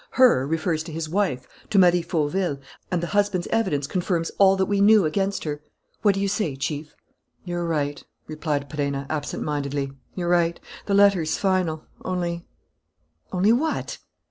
'Her' refers to his wife, to Marie Fauville, and the husband's evidence confirms all that we knew against her. What do you say, Chief?" "You're right," replied Perenna, absent mindedly, "you're right; the letter is final. Only " "Only what?"